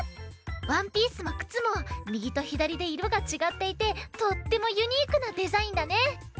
ワンピースもくつもみぎとひだりでいろがちがっていてとってもユニークなデザインだね。